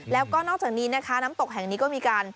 แล้วก็นอกจากนี้นะคะน้ำตกแห่งนี้ก็มีการ